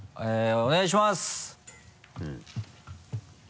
お願いします。